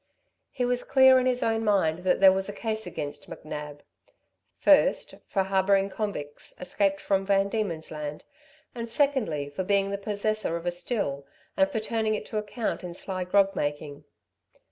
He was clear in his own mind that there was a case against McNab; first, for harbouring convicts escaped from Van Diemen's Land; and secondly, for being the possessor of a still, and for turning it to account in sly grog making.